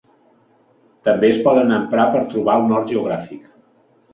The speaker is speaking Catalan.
També es poden emprar per trobar el nord geogràfic.